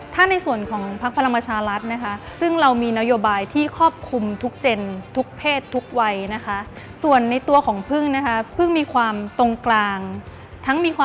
ถ้าในส่วนของพักพลังประชารัฐ